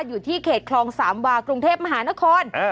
อยู่ที่เขตคลองสามวากรุงเทพมหานคร